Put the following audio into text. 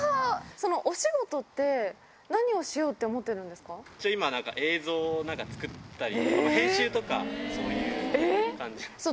お仕事って、何をしようって一応、今、映像を作ったり、編集とか、そういう感じ。